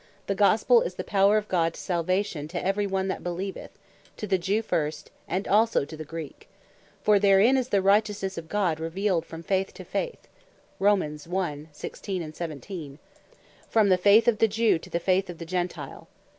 "The Gospel is the power of God to Salvation to every one that beleeveth; To the Jew first, and also to the Greek. For therein is the righteousnesse of God revealed from faith to faith;" from the faith of the Jew, to the faith of the Gentile.